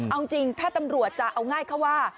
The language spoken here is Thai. เอาจริงถ้าตำรวจจะเอาง่ายเข้าว่า